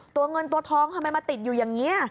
ตัวเงินตัวทองทำไมมาติดอยู่อย่างนี้